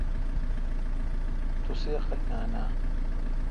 تسی عقل نان اؘ۔